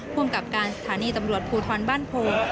ร่วมกับการสถานีตำรวจภูทรบ้านโผล่